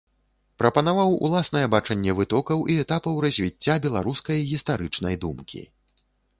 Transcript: Прапанаваў уласнае бачанне вытокаў і этапаў развіцця беларускай гістарычнай думкі.